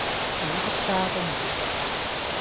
否則渣都無